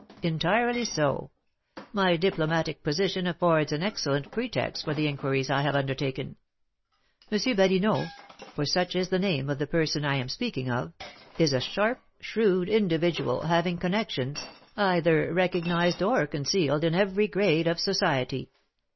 "Entirely so. My diplomatic position affords an excellent pretext for the inquiries I have undertaken. M. Badinot (for such is the name of the person I am speaking of) is a sharp, shrewd individual, having connections, either recognised or concealed, in every grade of society.